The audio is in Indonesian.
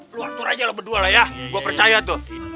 keluar tour aja lo berdua lah ya gue percaya tuh